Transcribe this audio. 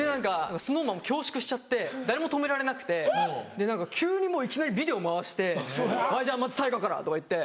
何かＳｎｏｗＭａｎも恐縮しちゃって誰も止められなくて急にもういきなりビデオ回して「まず大我から！」とか言って。